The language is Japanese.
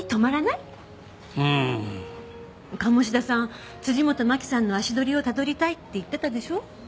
鴨志田さん辻本マキさんの足取りを辿りたいって言ってたでしょ？